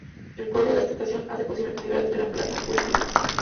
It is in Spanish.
El colorido de esta estación hace posible que se vea desde la plaza Wheelwright.